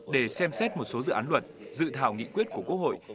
để xem xét một số dự án luật dự thảo nghị quyết của quốc hội